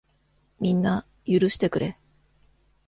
みんな、許してくれ。